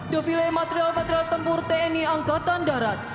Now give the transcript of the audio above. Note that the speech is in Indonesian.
defile material material tempur tni angkatan darat